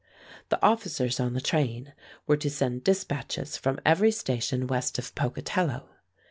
The officers on the train were to send dispatches from every station west of Pocatello.